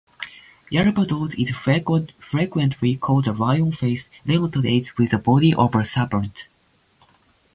Yaldabaoth is frequently called "the Lion-faced", "leontoeides", with the body of a serpent.